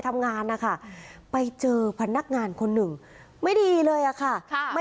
ทำงานนะคะไปเจอพนักงานคนหนึ่งไม่ดีเลยอะค่ะไม่